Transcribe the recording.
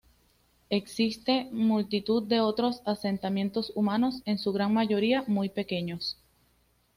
Existen multitud de otros asentamientos humanos, en su gran mayoría muy pequeños.